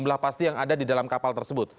jumlah pasti yang ada di dalam kapal tersebut